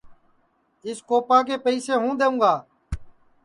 اِس کوپا کے پئسے ہوں دؔیوں گا